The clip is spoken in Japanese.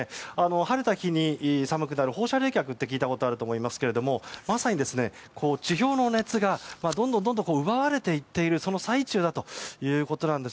晴れた日に寒くなる放射冷却って聞いたことがあると思いますがまさに地表の熱がどんどん奪われていっているその最中だということなんです。